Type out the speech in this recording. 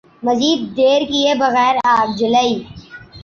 مزید دیر کئے بغیر آگ جلائی ۔